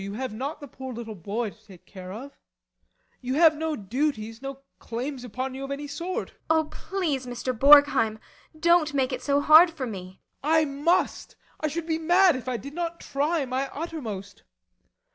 You have not the poor little boy to take care of now. You have no duties no claims upon you of any sort. ASTA. Oh, please, Mr. Borgheim don't make it so hard for me. BORGHEIM. I must; I should be mad if I did not try my uttermost.